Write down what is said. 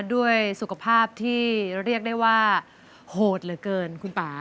ด้วยสุขภาพที่เรียกได้ว่าโหดเหลือเกินคุณป่า